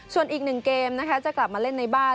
ส่วนอีกหนึ่งเกมนะคะจะกลับมาเล่นในบ้าน